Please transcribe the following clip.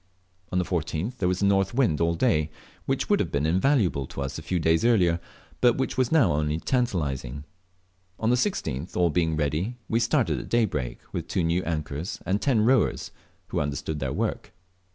On the 14th there was a north wind all day, which would have been invaluable to us a few days earlier, but which was now only tantalizing. On the 16th, all being ready, we started at daybreak with two new anchors and ten rowers, who understood their work.